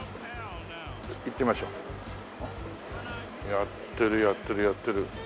やってるやってるやってる。